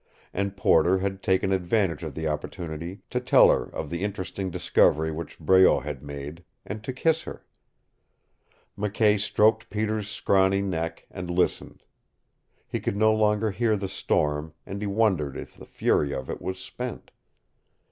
And Porter had taken advantage of the opportunity to tell her of the interesting discovery which Breault had made and to kiss her. McKay stroked Peter's scrawny neck, and listened. He could no longer hear the storm, and he wondered if the fury of it was spent.